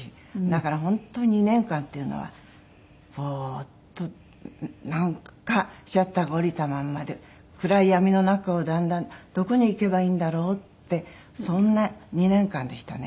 だから本当２年間っていうのはボーッとなんかシャッターが下りたまんまで暗い闇の中をだんだんどこに行けばいいんだろうってそんな２年間でしたね。